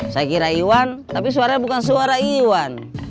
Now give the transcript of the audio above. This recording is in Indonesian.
saya kira iwan tapi suaranya bukan suara iwan